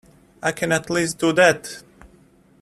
I can at least do that.